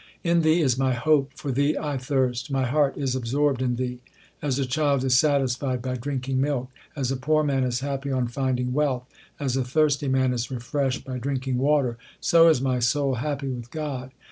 In Thee is my hope, for Thee I thirst, my heart is absorbed in Thee. As a child is satisfied by drinking milk, As a poor man is happy on finding wealth, As a thirsty man is refreshed by drinking water, so is my soul happy with God.